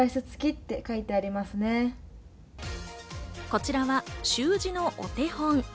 こちらが習字のお手本。